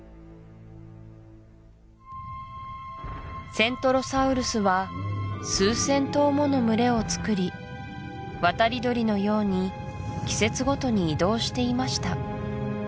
セントロサウルスは数千頭もの群れをつくり渡り鳥のように季節ごとに移動していました